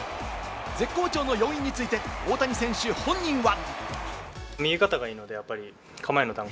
絶好調の要因について、大谷選手本人は。